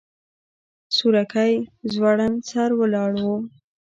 سورکی ځوړند سر ولاړ و.